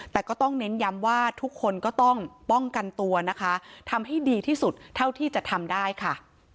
แต่ก็ต้องเน้นย้ำว่าทุกคนก็ต้องป้องกันตัวนะคะทำให้ดีที่สุดเท่าที่จะทำได้ค่ะ